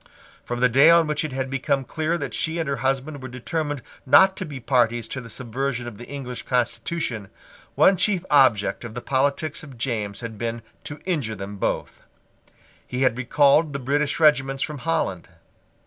From the day on which it had become clear that she and her husband were determined not to be parties to the subversion of the English constitution, one chief object of the politics of James had been to injure them both. He had recalled the British regiments from Holland.